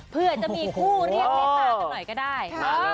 เพื่อจะมีคู่เรียกเมตตากันหน่อยก็ได้